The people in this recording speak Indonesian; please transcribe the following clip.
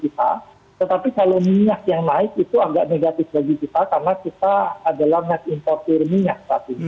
tetapi kalau minyak yang naik itu agak negatif bagi kita karena kita adalah nak importir minyak